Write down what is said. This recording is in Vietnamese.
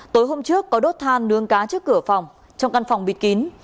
tối hôm trước có đốt than nướng cá trước cửa phòng trong căn phòng bịt kín